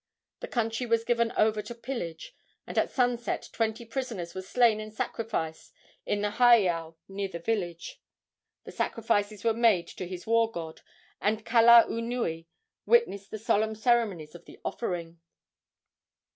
The country was given over to pillage, and at sunset twenty prisoners were slain and sacrificed in a heiau near the village. The sacrifices were made to his war god, and Kalaunui witnessed the solemn ceremonies of the offering.